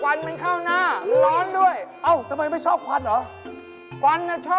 มันไม่ยากอย่างที่คิดหรอกไม่ยาก